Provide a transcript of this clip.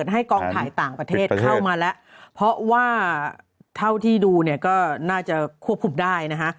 ให้กองถ่ายต่างประเทศเข้ามาแล้วเพราะว่าเท่าที่ดูเนี่ยก็น่าจะควบคุมได้นะคะ